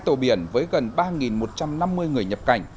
hai tàu biển với gần ba một trăm năm mươi người nhập cảnh